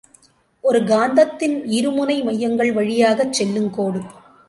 ஒரு காந்தத்தின் இரு முனை மையங்கள் வழியாகச் செல்லுங் கோடு.